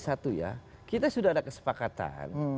satu ya kita sudah ada kesepakatan